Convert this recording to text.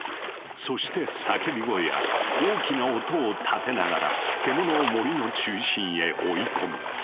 そして叫び声や大きな音を立てながら獣を森の中心へ追い込む。